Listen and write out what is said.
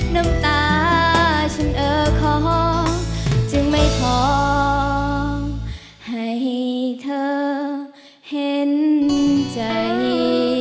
น้ำตาฉันเออขอจึงไม่ท้องให้เธอเห็นใจ